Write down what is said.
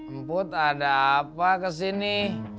emput ada apa kesini